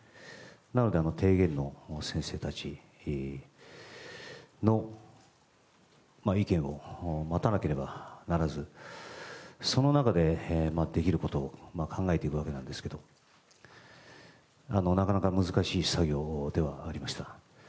なので、提言の先生たちの意見を待たなければならずその中で、できることを考えていくわけなんですけどなかなか難しい作業ではありました。